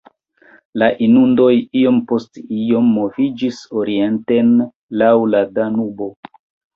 La inundoj iom post iom moviĝis orienten laŭ la Danubo.